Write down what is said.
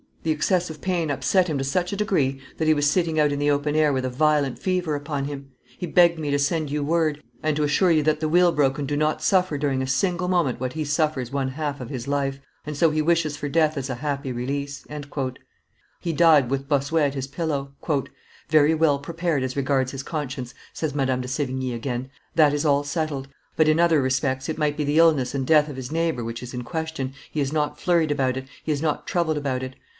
The excessive pain upset him to such a degree that he was sitting out in the open air with a violent fever upon him. He begged me to send you word, and to assure you that the wheel broken do not suffer during a single moment what he suffers one half of his life, and so he wishes for death as a happy release." He died with Bossuet at his pillow. "Very well prepared as regards his conscience," says Madame de Sevigne again; "that is all settled; but, in other respects, it might be the illness and death of his neighbor which is in question, he is not flurried about it, he is not troubled about it.